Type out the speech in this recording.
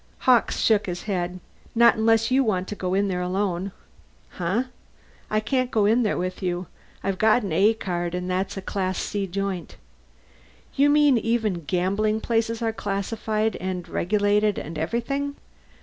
Hawkes shook his head. "Not unless you want to go in there alone?" "Huh?" "I can't go in there with you. I've got an A card, and that's a Class C joint." "You mean even gambling places are classified and regulated and everything?"